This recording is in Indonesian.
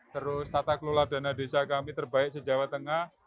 terus tata kelola dana desa kami terbaik sejawa tengah